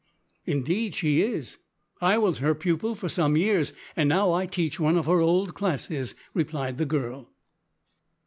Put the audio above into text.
"Indeed she is, I was her pupil for some years, and now I teach one of her old classes," replied the girl.